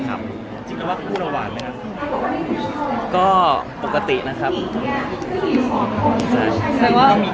อเจมส์ออกไว้กับท่านเดิม